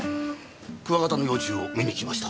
クワガタの幼虫を見にきました。